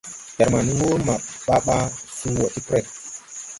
Jar ma ni wur ma baa baa suu wɔ ti preŋ.